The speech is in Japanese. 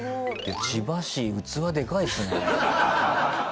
千葉市器でかいですね。